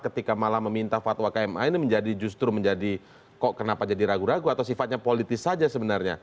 ketika malah meminta fatwa kma ini justru menjadi kok kenapa jadi ragu ragu atau sifatnya politis saja sebenarnya